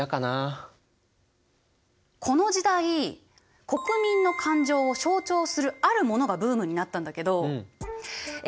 この時代国民の感情を象徴するあるものがブームになったんだけどえ